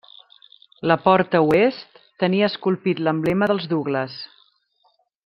La porta oest tenia esculpit l'emblema dels Douglas.